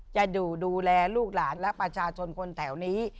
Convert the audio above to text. จะอยู่ดูแลลูกหลานและประชาชนคนแถวนี้